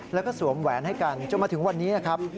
แล้วก็สวมแหวนให้กันจนมาถึงวันนี้นะครับ